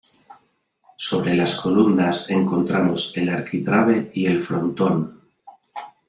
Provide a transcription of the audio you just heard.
Sobre las columnas encontramos el arquitrabe y el frontón.